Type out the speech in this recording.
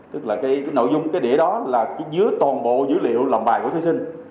tức là cái nội dung cái đĩa đó là dưới toàn bộ dữ liệu làm bài của thí sinh